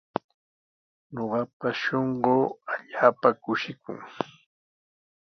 Ñuqapa shunquu allaapa kushikun.